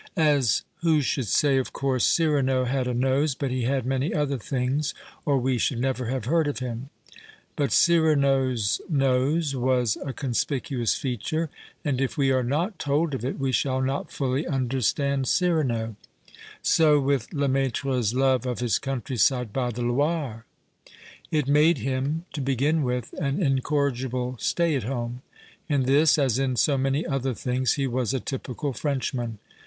As who should say, of course Cyrano had a nose, but he had many other things, or we should never have heard of him. But Cyrano's nose was a conspicuous feature, and, if we arc not told of it, we shall not fully understand Cyrano. So with Lemaitre's love of his countryside by the Loire. It made him, to begin with, an incorrigible stay at home. In this, as in so many other things, he was a typical Frenchman.